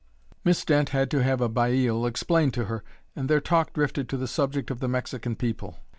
Miss Dent had to have baile explained to her, and their talk drifted to the subject of the Mexican people.